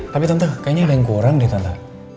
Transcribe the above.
tapi tante kayaknya ada yang kurang nih tante